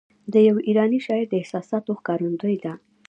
د یوه ایراني شاعر د احساساتو ښکارندوی ده.